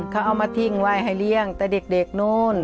เขาเอามาทิ้งไว้ให้เลี้ยงแต่เด็กโน้น